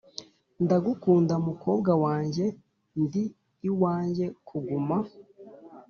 "ndagukunda, mukobwa wanjye. ndi iwanjye kuguma."